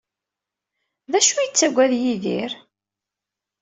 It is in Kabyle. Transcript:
D acu ay yettaggad Yidir?